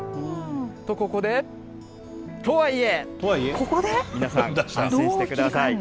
と、ここで、とはいえ、皆さん、安心してください。